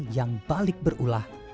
yang balik berulah